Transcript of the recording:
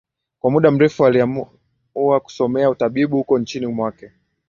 Kwa muda mrefu aliamua kusomea utabibu uko nchini mwake